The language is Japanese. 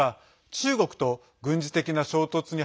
中国と軍事的な衝突に